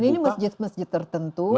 dan ini masjid masjid tertentu